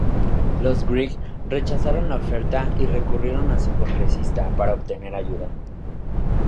Los Gregg rechazaron la oferta y recurrieron a su congresista para obtener ayuda.